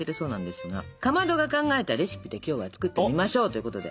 かまどが考えたレシピで今日は作ってみましょうということで。